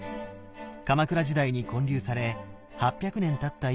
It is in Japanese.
鎌倉時代に建立され８００年たった